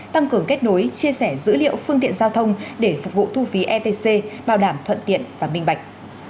tăng cường kết nối chia sẻ dữ liệu phương tiện giao thông để phục vụ thu phí etc bảo đảm thuận tiện và minh bạch